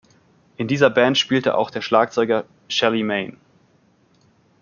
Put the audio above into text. In dieser Band spielte auch der Schlagzeuger Shelly Manne.